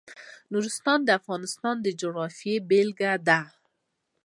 نورستان د افغانستان د جغرافیې بېلګه ده.